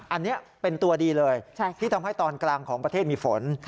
อันนี้เป็นตัวดีเลยที่ทำให้ตอนกลางของประเทศมีฝน